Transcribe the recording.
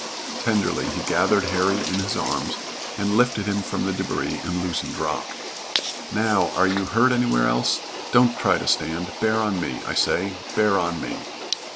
Tenderly he gathered Harry in his arms and lifted him from the débris and loosened rock. "Now! Are you hurt anywhere else? Don't try to stand. Bear on me. I say, bear on me."